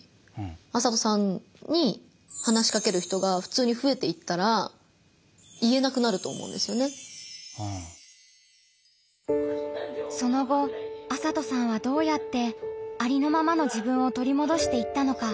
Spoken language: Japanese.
麻斗さんにその後麻斗さんはどうやってありのままの自分を取り戻していったのか。